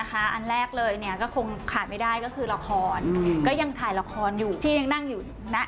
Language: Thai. หน้าที่อันแรกคงผ่านไม่ได้คือละครก็ยังถ่ายละครอยู่ที่ยังนั่งอยู่นั้นนะ